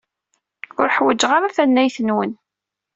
Ur ḥwajeɣ ara tannayt-nwen.